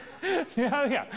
違うやん。